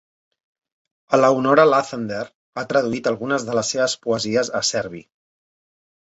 Eleonora Luthander ha traduït algunes de les seves poesies a serbi.